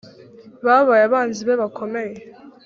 babaye abanzi be bakomeye